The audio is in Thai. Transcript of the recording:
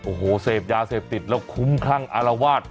โอ้โหเสพยาเสพติดแล้วคุ้มคลั่งอารวาส